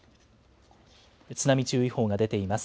津波注意報が出ています。